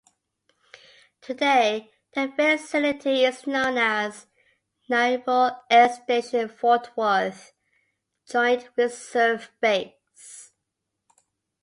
Today, the facility is known as Naval Air Station Fort Worth Joint Reserve Base.